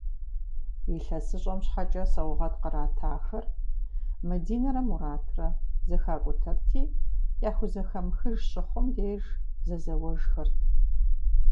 Илъэсыщӏэм щхьэкӏэ сэугъэт къратахэр, Мадинэрэ Муратрэ, зэхакӏутэрти, яхузэхэмыхыж щыхъум деж зэзэуэжхэрт.